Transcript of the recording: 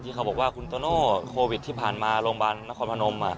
เขาบอกว่าคุณโตโน่โควิดที่ผ่านมาโรงพยาบาลนครพนม